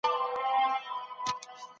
زه په ټولني کي د خپل عزت خيال ساتم.